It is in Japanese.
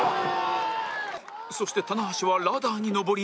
そして棚橋はラダーに上り